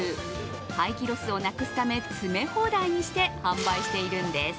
廃棄ロスをなくすため、詰め放題にして販売しているんです。